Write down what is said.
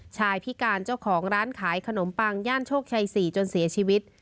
พิการเจ้าของร้านขายขนมปังย่านโชคชัย๔จนเสียชีวิต